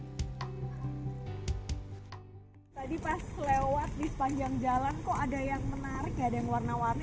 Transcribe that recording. tadi pas lewat di sepanjang jalan kok ada yang menarik gak ada yang warna warni